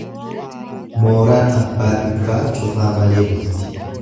Mooraan abbaa dhibbaa cufaa malee bulti.